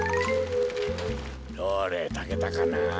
どれたけたかな？